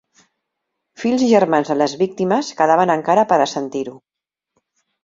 Fills i germans de les víctimes quedaven encara per a sentir-ho.